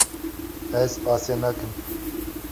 Ez asê nakim.